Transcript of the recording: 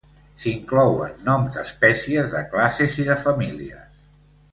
S'hi inclouen noms d'espècies, de classes i de famílies.